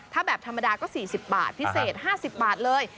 ถ้าแบบธรรมดาก็๔๐บาทพิเศษ๕๐บาทเลย